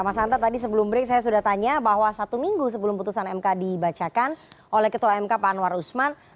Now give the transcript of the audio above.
mas anta tadi sebelum break saya sudah tanya bahwa satu minggu sebelum putusan mk dibacakan oleh ketua mk pak anwar usman